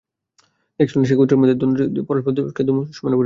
দেখছো না, সে গোত্রের মধ্যে দ্বন্দ্ব সৃষ্টি করে পরস্পরকে দুশমনে পরিণত করেছে?